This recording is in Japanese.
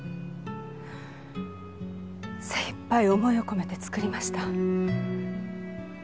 精いっぱい思いを込めて作りました。